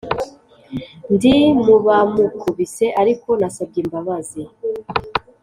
Ndi mubamukubise ariko nasabye imbabazi